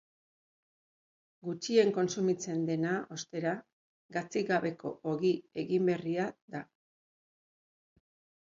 Gutxien kontsumitzen dena, ostera, gatzik gabeko ogi egin berria da.